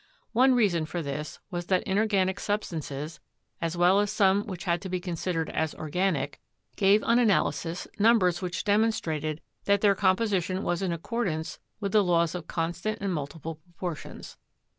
One reason for this was that inorganic substances, as well as some which had to be considered as organic, gave on analysis numbers which demonstrated that their composition was in accordance with the laws of constant and multiple proportions.